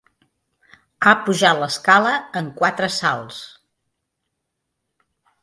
Ha pujat l'escala en quatre salts.